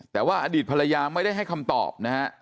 แต่ว่าอดีตภรรยาไม่ได้ให้คำตอบนะฮะ